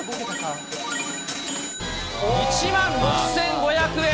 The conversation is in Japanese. １万６５００円。